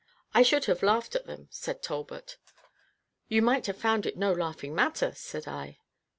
"I should have laughed at them," said Talbot. "You might have found it no laughing matter," said I.